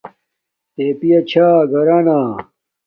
تے پیا چھا گھرانا